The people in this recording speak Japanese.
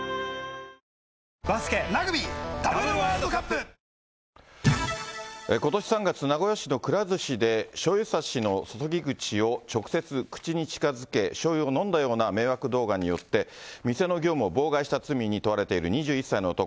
新「アタックＺＥＲＯ部屋干し」解禁‼ことし３月、名古屋市のくら寿司でしょうゆ差しの注ぎ口を直接口に近づけ、しょうゆを飲んだような迷惑動画によって、店の業務を妨害した罪に問われている２１歳の男。